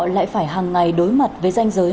lại phải hàng ngày đối mặt với danh giới